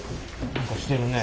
何かしてるね。